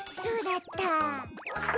そうだった。